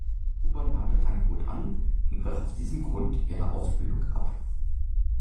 Huber nahm das Angebot an und brach aus diesem Grund ihre Ausbildung ab.